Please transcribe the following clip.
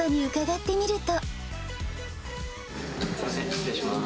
失礼します。